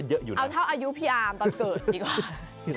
เอาเท่าอายุพี่อาร์มตอนเกิดดีกว่า